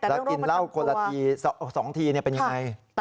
แล้วกินเหล้ากลลาที๒ทีเป็นอย่างไร